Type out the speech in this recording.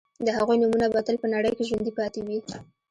د هغوی نومونه به تل په نړۍ کې ژوندي پاتې وي